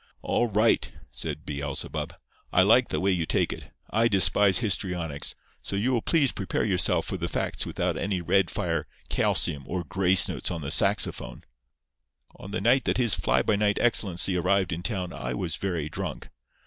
"All right," said "Beelzebub." "I like the way you take it. I despise histrionics; so you will please prepare yourself for the facts without any red fire, calcium or grace notes on the saxophone. "On the night that His Fly by night Excellency arrived in town I was very drunk.